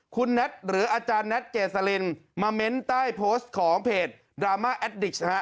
คุณแน็ตหรืออาจารย์แน็ตเกษลินมาเม้นใต้โพสต์ของเพจดราม่าแอดดิกซ์ฮะ